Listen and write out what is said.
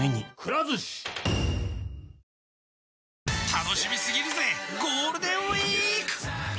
たのしみすぎるぜゴールデーンウィーーーーーク！